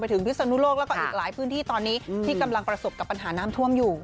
ถึงพิศนุโลกแล้วก็อีกหลายพื้นที่ตอนนี้ที่กำลังประสบกับปัญหาน้ำท่วมอยู่